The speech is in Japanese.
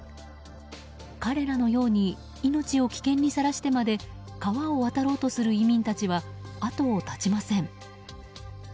彼らのように命を危険にさらしてまで川を渡ろうとする移民たちは後を絶ちません。